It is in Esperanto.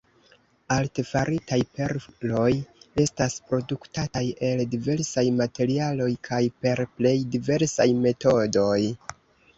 Artefaritaj perloj estas produktataj el diversaj materialoj kaj per plej diversaj metodoj.